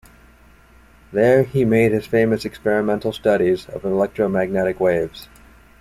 There he made his famous experimental studies of electromagnetic waves.